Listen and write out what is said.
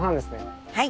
はい。